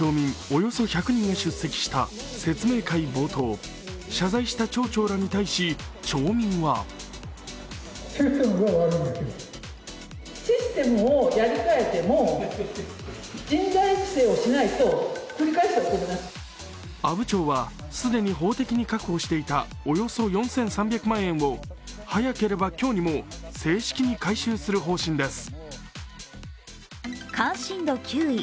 およそ１００人が出席した説明会冒頭、謝罪した町長らに対し町民は阿武町は既に法的に確保していたおよそ４３００万円を早ければ今日にも正式に回収する方針です。